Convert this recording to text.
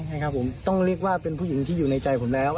ใช่ครับผมต้องเรียกว่าเป็นผู้หญิงที่อยู่ในใจผมแล้ว